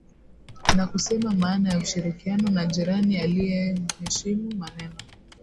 Na kusema maana ya ushirikiano na jirani aiyeheshimu maneno